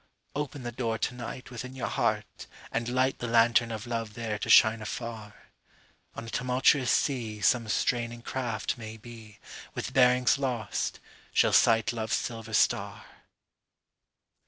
…Open the door to nightWithin your heart, and lightThe lantern of love there to shine afar. On a tumultuous seaSome straining craft, maybe, With bearings lost, shall sight love's silver star.